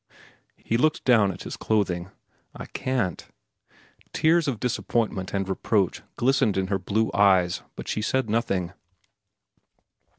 He looked down at his clothing. "I can't." Tears of disappointment and reproach glistened in her blue eyes, but she said nothing.